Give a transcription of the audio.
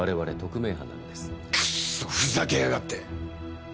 クッソふざけやがって！